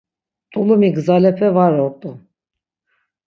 T̆ulumi gzalepe var ort̆u.